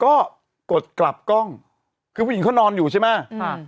ก็กดกลับกล้องคือผู้หญิงเขานอนอยู่ใช่ไหมค่ะ